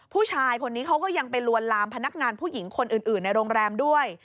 ผู้ชายคนนี้เขาก็ยังไปลวนลามพนักงานผู้หญิงคนอื่นในโรงแรมด้วย